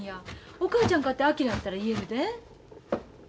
お母ちゃんかて昭やったら言えるで。